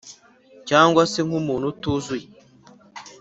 cyangwa se nk’umuntu utuzuye!”